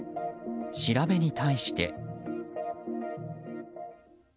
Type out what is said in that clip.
調べに対して。